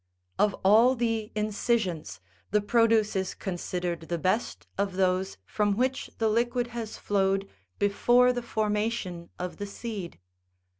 Of all the incisions, the produce is considered the best of those from which the liquid has flowed before the formation of the seed.